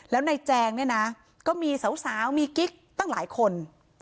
แล้วในแจงเนี่ยนะก็มีสาวมีกิ๊กตั้งหลายคน